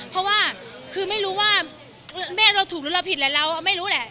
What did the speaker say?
เพราะว่าคือไม่รู้ว่ามา่ว่าเราถูกหรือพิษแล้วเราไม่รู้แหละ